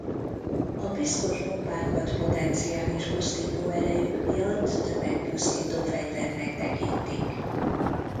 A piszkos bombákat potenciális pusztító erejük miatt tömegpusztító fegyvernek tekintik.